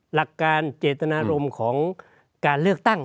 หลักการเจตนารมณ์ของการเลือกตั้ง